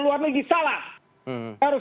luar negeri salah harus